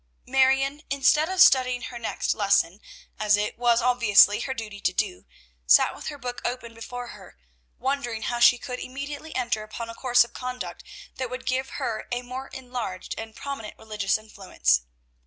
Marion, instead of studying her next lesson, as it was obviously her duty to do, sat with her book open before her, wondering how she could immediately enter upon a course of conduct that would give her a more enlarged and prominent religious influence.